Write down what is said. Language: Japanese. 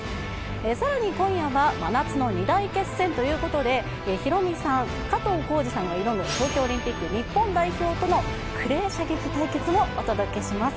更に今夜は真夏の二大決戦ということで、ヒロミさん、加藤浩次さんが挑む東京オリンピック日本代表とクレー射撃対決もお届けします。